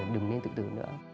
đừng nên tự tử nữa